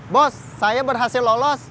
bos saya berhasil lolos